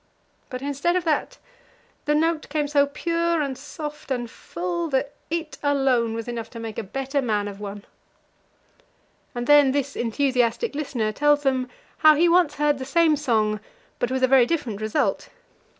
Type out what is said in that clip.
But instead of that, the note came so pure and soft and full that it alone was enough to make a better man of one." And then this enthusiastic listener tells them how he once heard the same song, but with a very different result.